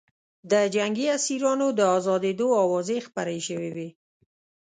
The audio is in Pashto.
د جنګي اسیرانو د ازادېدلو اوازې خپرې شوې وې